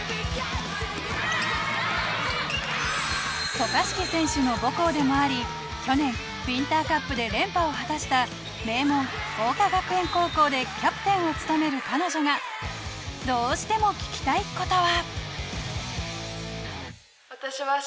渡嘉敷選手の母校でもあり去年ウインターカップで連覇を果たした名門・桜花学園高校でキャプテンを務める彼女がどうしても聞きたい事は。